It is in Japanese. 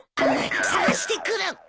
捜してくる！